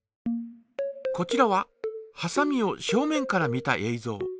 こちらははさみを正面から見たえいぞう。